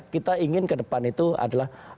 kita ingin ke depan itu adalah